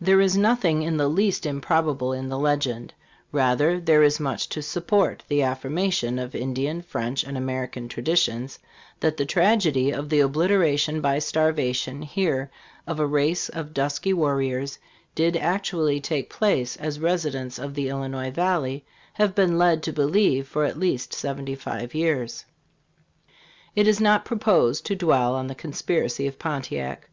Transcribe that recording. There is nothing in the least improbable in the legend ; rather, there is much to support the affirmations of Indian, French and Amer ican traditions, that the tragedy of the obliteration by starvation here of a race of dusky warriors did actually take place as residents of the Illinois valley have been led to believe for at least seventy five years. It is not proposed to dwell on the Conspiracy of Pontiac.